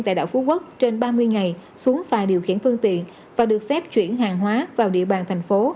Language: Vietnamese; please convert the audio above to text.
tại đảo phú quốc trên ba mươi ngày xuống phà điều khiển phương tiện và được phép chuyển hàng hóa vào địa bàn thành phố